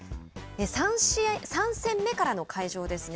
３戦目からの会場ですね。